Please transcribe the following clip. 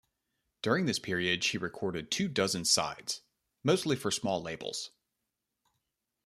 During this period she recorded two dozen sides, mostly for small labels.